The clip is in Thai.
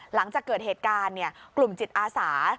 หลังจากเกิดเหตุการณ์กลุ่มจิตอาสา